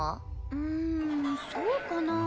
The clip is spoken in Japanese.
うんそうかなぁ。